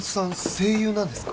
声優なんですか？